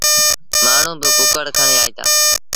مآڻهوٚݩ با ڪُڪڙ کڻي آئيٚتآ۔